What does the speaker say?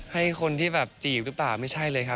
ให้คนที่แบบจีบหรือเปล่าไม่ใช่เลยครับ